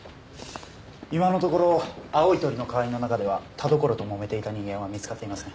今のところ青い鳥の会員の中では田所ともめていた人間は見つかっていません。